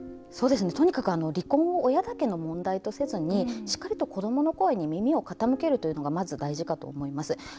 とにかく離婚を親だけの問題とせずにしっかりと子どもの声に耳を傾けるというのがまず大事かと思います。